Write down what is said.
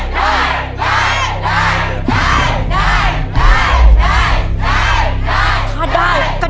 ถ้าได้